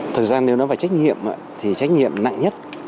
thực ra nếu nó phải trách nhiệm thì trách nhiệm nặng nhất